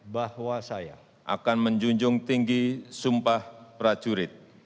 bahwa saya akan menjunjung tinggi sumpah prajurit